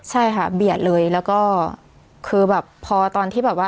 ใช่ค่ะเบียดเลยแล้วก็คือแบบพอตอนที่แบบว่า